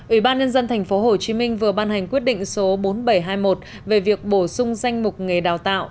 ủy ban nhân dân tp hcm vừa ban hành quyết định số bốn nghìn bảy trăm hai mươi một về việc bổ sung danh mục nghề đào tạo